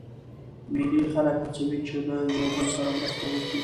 مېلې خلک هڅوي، چي له یو بل سره مرسته وکي.